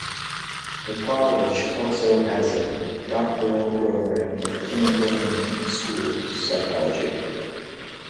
The College also has a doctoral program in Clinical and School Psychology.